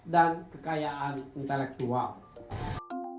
dan kekayaan intelektual